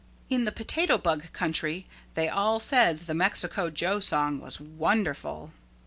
In the Potato Bug Country they all said the Mexico Joe song was wonderful.